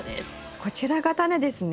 こちらがタネですね？